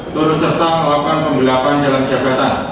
turut serta melakukan penggelapan dalam jabatan